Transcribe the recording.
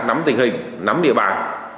nắm tình hình nắm địa bàn